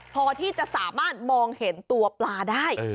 พอที่จะสามารถมองเห็นตัวปลาได้